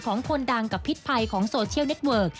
ของคนดังกับพิษภัยของโซเชียลเน็ตเวิร์ก